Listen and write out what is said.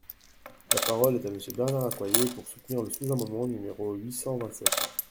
La parole est Monsieur Bernard Accoyer, pour soutenir le sous-amendement numéro huit cent vingt-sept.